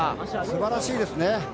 素晴らしいですね。